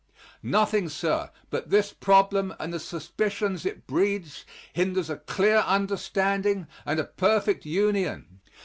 Nothing, sir, but this problem and the suspicions it breeds, hinders a clear understanding and a perfect union.